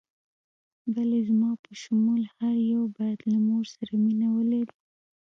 بلې، زما په شمول هر یو باید له مور سره مینه ولري.